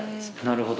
なるほど。